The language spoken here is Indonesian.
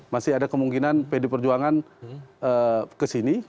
masih ada kemungkinan pdi perjuangan kesini